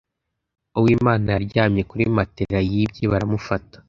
Uwimana yaryamye kuri matelas yibye baramufata